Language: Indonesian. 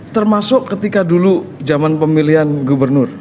termasuk ketika dulu zaman pemilihan gubernur